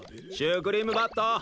シュークリーム・バット！